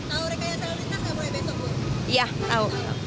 tahu rekayasa lalu lintas nggak boleh besok bu